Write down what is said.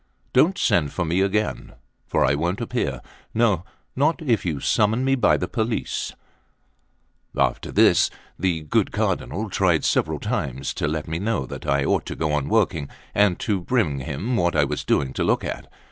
Don't send for me again, for I won't appear, no, not if you summon me by the police." After this, the good Cardinal tried several times to let me know that I ought to go on working, and to bring him what I was doing to look at.